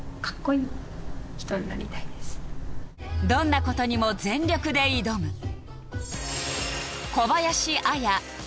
どんなことにも全力で挑む。